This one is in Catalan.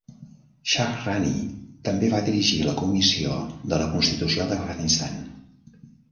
Shahrani també va dirigir la Comissió de la Constitució d'Afganistan.